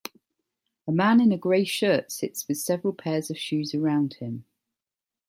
A man in a gray shirt sits with several pairs of shoes around him